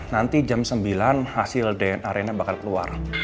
nanti jam sembilan hasil dna bakal keluar